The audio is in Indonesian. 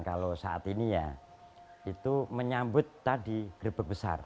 kalau saat ini ya itu menyambut tadi grebek besar